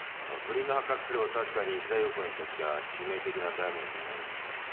不倫が発覚すれば確かに石田洋子にとっちゃ致命的なダメージになる。